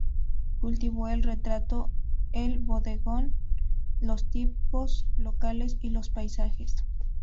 Cultivó el retrato, el bodegón, los tipos locales y los paisajes.